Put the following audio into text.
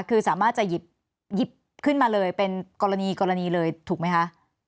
คือสามารถจะหยิบขึ้นมาเลยเป็นกรณีกรณีเลยถูกไหมคะ